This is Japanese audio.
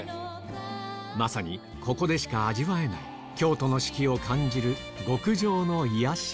まさにここでしか味わえない京都の四季を感じる極上の癒やし